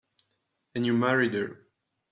And you married her.